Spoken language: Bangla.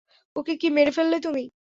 ওকে কি মেরে ফেললে তুমি?